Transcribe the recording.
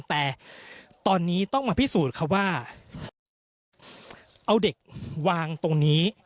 แต่ตอนนี้ต้องมาพิสูจน์ครับว่าเอาเด็กวางตรงนี้